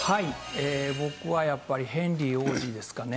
僕はやっぱり、ヘンリー王子ですかね。